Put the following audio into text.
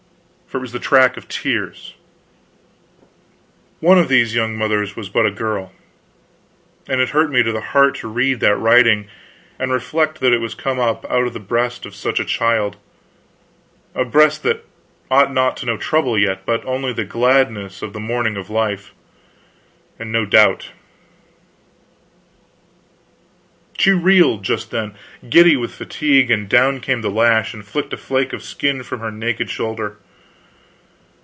for it was the track of tears. One of these young mothers was but a girl, and it hurt me to the heart to read that writing, and reflect that it was come up out of the breast of such a child, a breast that ought not to know trouble yet, but only the gladness of the morning of life; and no doubt She reeled just then, giddy with fatigue, and down came the lash and flicked a flake of skin from her naked shoulder.